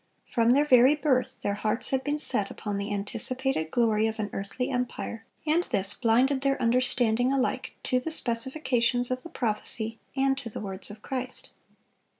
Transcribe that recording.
From their very birth their hearts had been set upon the anticipated glory of an earthly empire, and this blinded their understanding alike to the specifications of the prophecy and to the words of Christ.